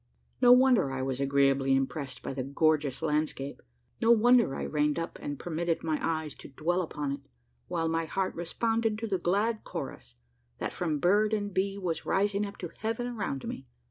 No wonder I was agreeably impressed by the gorgeous landscape no wonder I reigned up, and permitted my eyes to dwell upon it; while my heart responded to the glad chorus, that, from bird and bee, was rising up to heaven around me!